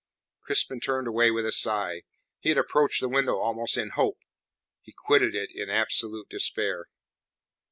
Crispin turned away with a sigh. He had approached the window almost in hope; he quitted it in absolute despair.